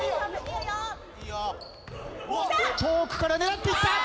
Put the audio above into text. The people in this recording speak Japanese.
遠くから狙っていった！